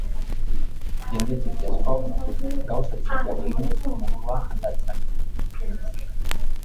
Jende txiki askok, gauza txikiak eginez, mundua alda dezake.